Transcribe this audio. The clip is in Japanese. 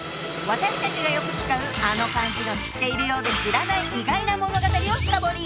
私たちがよく使うあの漢字の知ってるようで知らない意外な物語を深掘り！